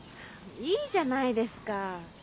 いいじゃないですか。